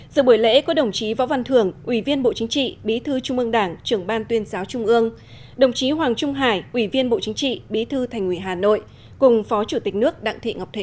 giữa buổi lễ có đồng chí võ văn thường ủy viên bộ chính trị bí thư trung ương đảng trưởng ban tuyên giáo trung ương đồng chí hoàng trung hải ủy viên bộ chính trị bí thư thành ủy hà nội cùng phó chủ tịch nước đặng thị ngọc thịnh